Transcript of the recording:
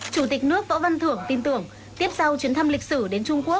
chủ tịch nước võ văn thưởng tin tưởng tiếp sau chuyến thăm lịch sử đến trung quốc